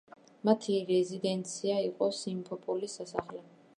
მათი რეზიდენცია იყო სიმფეროპოლის სასახლე.